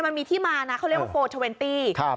๔๒๐มันมีที่มานะเขาเรียกว่า๔๒๐